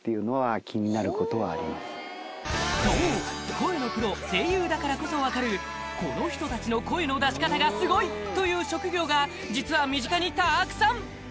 声のプロ・声優だからこそ分かるこの人たちの声の出し方がすごいという職業が実は身近にたくさん！